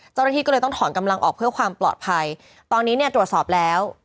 เจ้าหน้าที่ก็เลยต้องถอนกำลังออกเพื่อความปลอดภัยตอนนี้เนี่ยตรวจสอบแล้ว